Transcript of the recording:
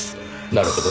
なるほど。